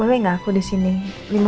hai boleh nggak aku disini lima menit